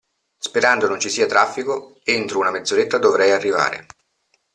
Sperando non ci sia traffico, entro una mezz'oretta dovrei arrivare.